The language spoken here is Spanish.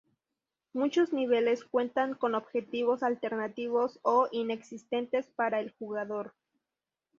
Muchos niveles cuentan con objetivos alternativos o inexistentes para el jugador.